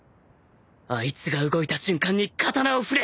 あいつが動いた瞬間に刀を振れ